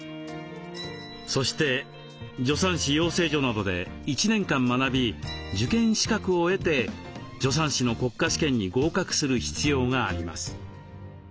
そして助産師養成所などで１年間学び受験資格を得て助産師の国家試験に合格する必要があります。